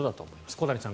小谷さん